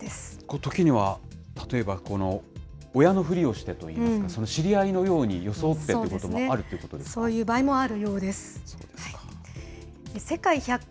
時には、例えば親のふりをしてといいますか、知り合いのように装ってということもあるということですか。